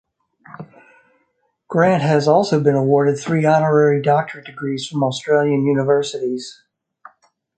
Grant has also been awarded three honorary doctorate degrees from Australian universities.